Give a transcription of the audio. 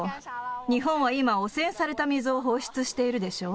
日本は今、汚染された水を放出しているでしょ。